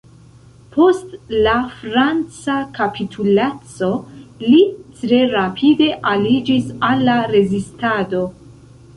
Post la franca kapitulaco, li tre rapide aliĝis al la rezistado.